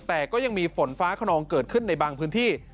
ส่วนฟ้าเขานองเกิดขึ้นในบางพื้นที่